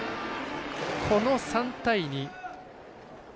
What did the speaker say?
この３対２。